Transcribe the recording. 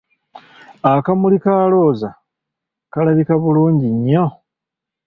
Akamuli ka Looza kalabika bulungi nnyo!